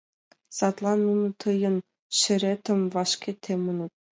Садлан нуно тыйын шеретым вашке теменыт.